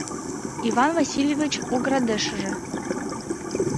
Иван Васильевич оградешыже